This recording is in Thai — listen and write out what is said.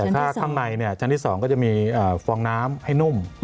ถ้าข้างในชั้นที่๒ก็จะมีฟองน้ำให้นุ่ม